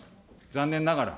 残念ながら。